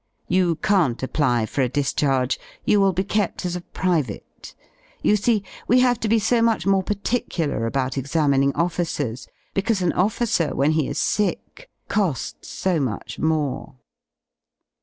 "You can't apply for a discharge; you will be / kept as a private. You see, we have to be so much more > particular about examining officers because an officer when\ he is sick co^s so much more."